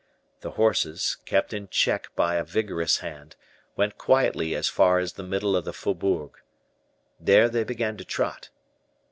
The horses, kept in check by a vigorous hand, went quietly as far as the middle of the faubourg. There they began to trot.